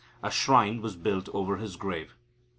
A shrine was built over his grave.